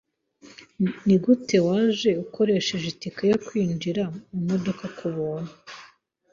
Nigute waje ukoresheje itike yo kwinjira mumodoka kubuntu?